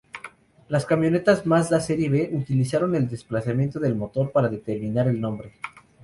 Las camionetas Mazda Serie B utilizaron el desplazamiento del motor para determinar el nombre.